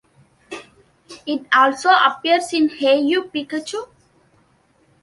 It also appears in Hey You, Pikachu!